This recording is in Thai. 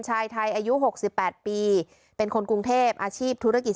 ชายไทยอายุ๖๘ปีเป็นคนกรุงเทพอาชีพธุรกิจ